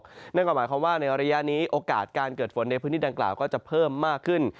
นั่นก็หมายความว่าในระยะนี้โอกาสการเกิดฝนในพื้นที่ดังกล่าวก็จะเพิ่มมากขึ้น